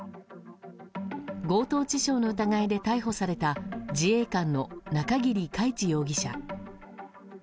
強盗致傷の疑いで逮捕された自衛官の中桐海知容疑者。